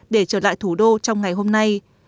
để trở lại thủ đô trong ngày hôm nay